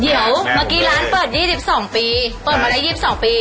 เดี๋ยวเมื่อกี้ร้านเปิด๒๒ปีเปิดมาได้๒๒ปี